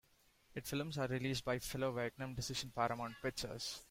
Its films are released by fellow Viacom division Paramount Pictures.